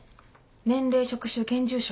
年齢職種現住所。